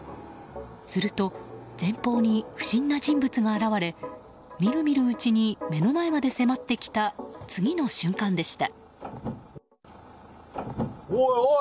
すると前方に不審な人物が現れみるみるうちに目の前まで迫ってきた、次の瞬間でした。